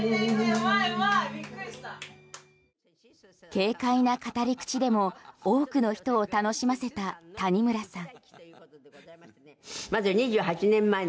軽快な語り口でも多くの人を楽しませた谷村さん。